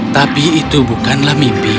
tapi itu bukanlah mimpi